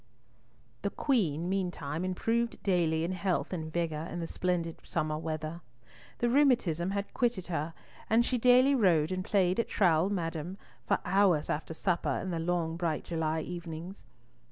The Queen meantime improved daily in health and vigour in the splendid summer weather. The rheumatism had quitted her, and she daily rode and played at Trowle Madame for hours after supper in the long bright July evenings.